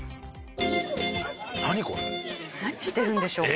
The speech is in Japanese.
何してるんでしょう？